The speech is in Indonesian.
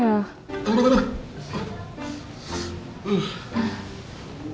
tunggu tunggu tunggu